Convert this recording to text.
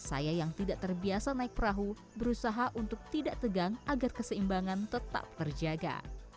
saya yang tidak terbiasa naik perahu berusaha untuk tidak tegang agar keseimbangan tetap terjaga